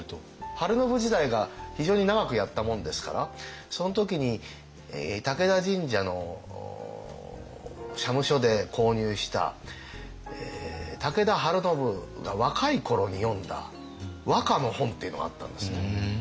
晴信時代が非常に長くやったもんですからその時に武田神社の社務所で購入した武田晴信が若い頃に詠んだ和歌の本っていうのがあったんですね。